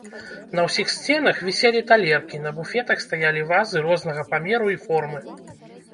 На ўсіх сценах віселі талеркі, на буфетах стаялі вазы рознага памеру і формы.